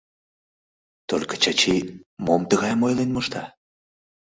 Только Чачи мом тыгайым ойлен мошта?